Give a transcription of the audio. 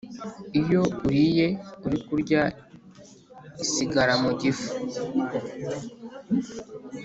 Iyo uyiriye uri kurya isigara mugifu